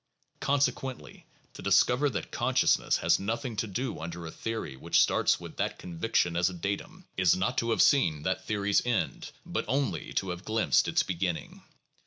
Consequently to discover that consciousness has nothing to do under a theory which starts with that conviction as a datum, is not to have seen that theory's end, but only to have glimpsed its beginning.